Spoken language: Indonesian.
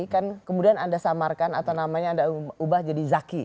kan kemudian anda samarkan atau namanya anda ubah jadi zaki